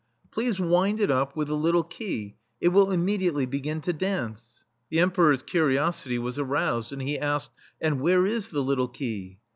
Please wind it up with the [»5] THE STEEL FLEA little key : it will immediately begin to dance." The Emperor's curiosity was aroused, and he asked :^' And where is the little key?''